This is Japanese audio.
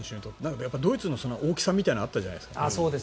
ドイツの大きさみたいなのあったじゃないですか。